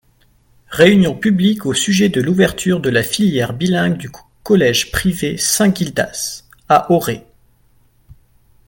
réunion publique au sujet de l'ouverture de la filière bilingue du collège privé Saint Gildas, à Auray.